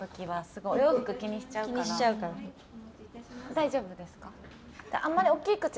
大丈夫ですか？